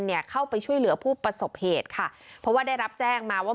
เนี่ยเข้าไปช่วยเหลือผู้ประสบเหตุค่ะเพราะว่าได้รับแจ้งมาว่า